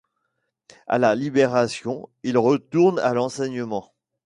À la Libération, il retourne à l'enseignement.